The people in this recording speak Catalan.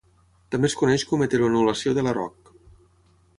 També es coneix com "heteroanulació" de Larock.